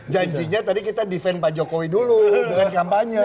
janjianya tadi kita defend pak jokowi dulu bukan kampanye